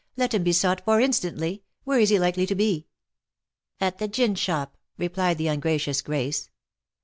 "Let him be sought for instantly — where is he likely to be?" ?' At the gin shop," replied the ungracious Grace.